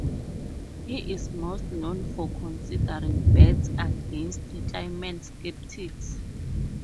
He is most known for considering bets against climate skeptics.